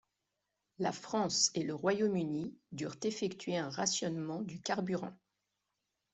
La France et le Royaume-Uni durent effectuer un rationnement du carburant.